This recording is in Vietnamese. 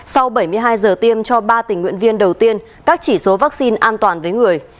sau bảy mươi hai giờ tiêm cho ba tình nguyện viên đầu tiên các chỉ số vaccine an toàn với người